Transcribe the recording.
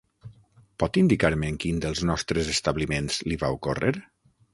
Pot indicar-me en quin dels nostres establiments li va ocórrer?